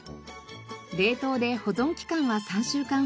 冷凍で保存期間は３週間ほど。